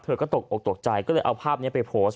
เธอก็ตกใจก็เลยเอาภาพนี้โพสต์ไป